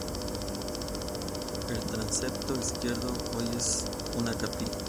El transepto izquierdo hoy es una capilla.